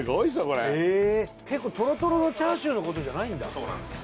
これえっ結構トロトロのチャーシューのことじゃないんだ・そうなんです